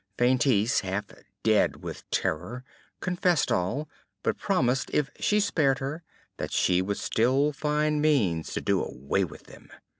Feintise, half dead with terror, confessed all; but promised, if she spared her, that she would still find means to do away with them.